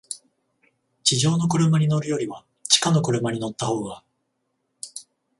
地上の車に乗るよりは、地下の車に乗ったほうが、